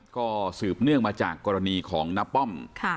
ก็สืบเนื่องมาจากกรณีของน้าป้อม